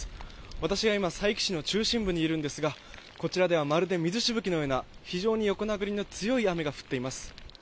私は今、佐伯市の中心部にいるんですが、こちらでは、まるで水しぶきのような、非常に横殴りの強い雨が降っています。